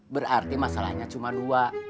berarti masalahnya cuma dua